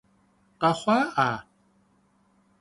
Къэхъуа-Ӏа?